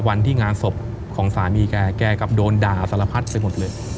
วันที่งานศพของสามีแกกลับโดนด่าสารพัดไปหมดเลย